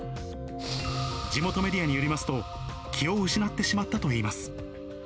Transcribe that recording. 地元メディアによりますと、気を失ってしまったといいます。